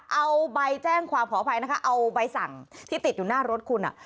เอาใบแจ้งความขออภัยนะคะเอาใบสั่งที่ติดอยู่หน้ารถคุณอ่ะ